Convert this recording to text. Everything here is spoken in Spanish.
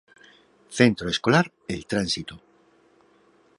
Centro Escolar El Tránsito